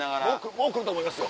もう来ると思いますよ。